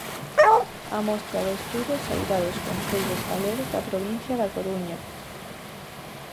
A mostra do estudo sairá dos concellos galegos da provincia da Coruña.